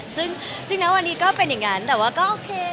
ซึ่งณวันนี้ก็เป็นอย่างนั้นแต่ว่าก็โอเค